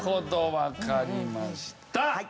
わかりました！